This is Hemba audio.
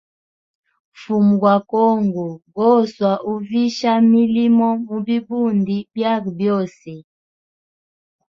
Mfumu gwa congo goswa uvisha milimo mu bibundi byage byose.